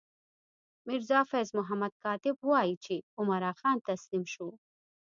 میرزا فیض محمد کاتب وايي چې عمرا خان تسلیم شو.